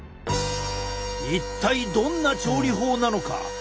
一体どんな調理法なのか？